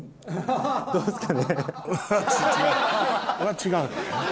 違う。